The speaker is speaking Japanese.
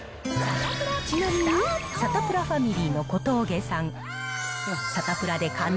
ちなみに、サタプラファミリーの小峠さん。